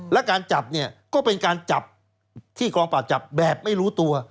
และการจับเนี่ยก็เป็นการจับที่กองปราบจับแบบไม่รู้ตัว